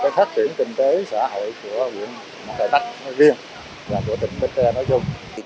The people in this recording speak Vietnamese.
một phát triển kinh tế xã hội của huyện mỏ cày bắc riêng và của tỉnh bến tre nói chung